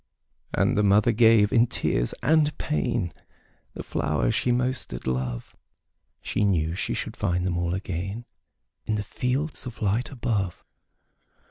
'' And the mother gave, in tears and pain, The flowers she most did love; She knew she should find them all again In the fields of light above.